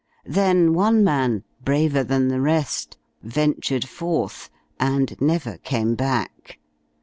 "Then one man, braver than the rest, ventured forth and never came back.